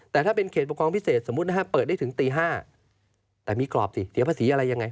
แต่ถ้าเป็นเขตปกครองพิเศษสมมุตินะฮะเปิดได้ถึงตี๕แต่มีกรอบสิเสียภาษีอะไรยังไง